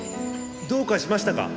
どうかしましたか？